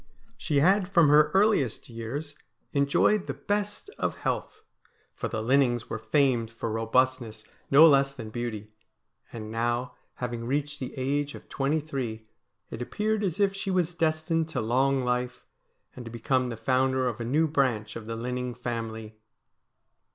She had from her earliest years enjoyed the best of THE PIPER OF CULLODEN 57 health, for the Linnings were famed for robustness no less than beauty, and now, having reached the age of twenty three, it appeared as if she was destined to long life, and to become the founder of a new branch of the Linning family.